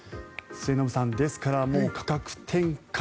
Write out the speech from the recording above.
末延さん、ですから価格転嫁